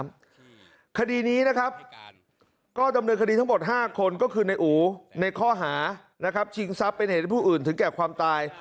วันนี้ตรงนี้ตรงยนน้ำเท้าจำนวนมีทั้งหมด๕คนก็คือใน๦๋อในข้อหาชิงซับเป็นเหตุผู้อื่นถึงแต่ความตาย